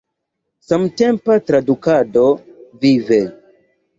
Samtempa tradukado – vive!